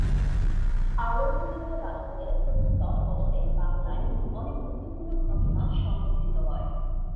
আওরঙ্গজেবের রাজত্বের প্রথম দশ বছরে বাংলায় অনেক গুরুত্বপূর্ণ ঘটনা সংঘটিত হয়।